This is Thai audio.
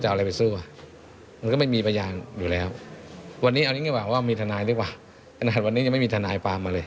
ว่ามีธนายดีกว่าขนาดวันนี้ยังไม่มีธนายฟังมาเลย